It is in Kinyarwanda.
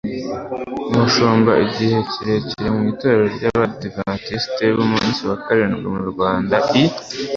umushumba igihe kirekire mu itorero ry'abadivantisiti b'umunsi wa karindwi mu rwanda i